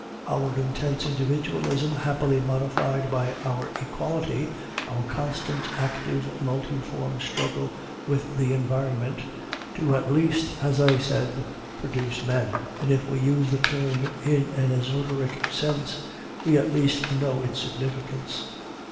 Our intense individualism happily modified by our equality, our constant, active, multiform struggle with the environment, do at least, as I said, produce men; and if we use the term in an esoteric sense we at least know its significance.